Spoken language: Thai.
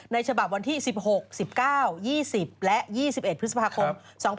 ฉบับวันที่๑๖๑๙๒๐และ๒๑พฤษภาคม๒๕๖๒